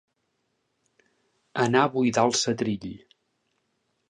Anar a buidar el setrill.